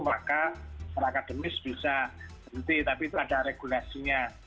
maka secara akademis bisa berhenti tapi itu ada regulasinya